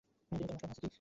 তিনি তাঁর অষ্টম হাসেকি।